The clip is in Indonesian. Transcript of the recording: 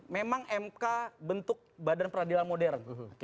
memang mk bentuk badan peradilan modern